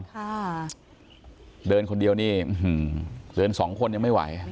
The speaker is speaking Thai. ค่ะเดินคนเดียวนี่เดินสองคนยังไม่ไหว